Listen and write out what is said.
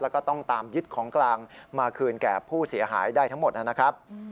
แล้วก็ต้องตามยึดของกลางมาคืนแก่ผู้เสียหายได้ทั้งหมดนะครับ